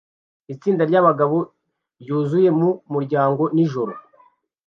Itsinda ry'abagabo ryuzuye mu muryango nijoro